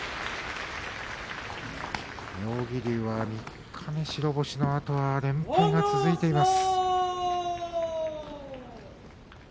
妙義龍は３日に白星のあと連敗が続いています。